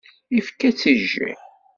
Ifka-tt i jjiḥ.